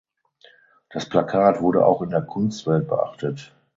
Das Plakat wurde auch in der Kunstwelt beachtet.